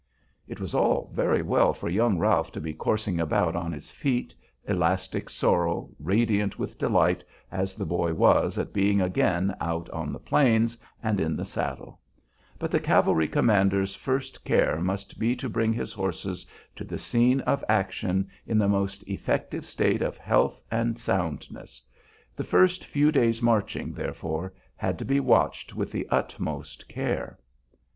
It was all very well for young Ralph to be coursing about on his fleet, elastic sorrel, radiant with delight as the boy was at being again "out on the plains" and in the saddle; but the cavalry commander's first care must be to bring his horses to the scene of action in the most effective state of health and soundness. The first few days' marching, therefore, had to be watched with the utmost care.